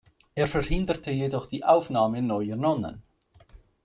Er verhinderte jedoch die Aufnahme neuer Nonnen.